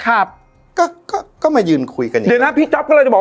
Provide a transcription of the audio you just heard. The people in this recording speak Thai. ครับก็ก็ก็มายืนคุยกันอยู่เดี๋ยวนะพี่จ๊อปก็เลยจะบอก